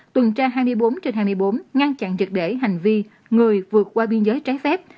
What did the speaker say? tuần tra hai mươi bốn trên hai mươi bốn ngăn chặn trực để hành vi người vượt qua biên giới trái phép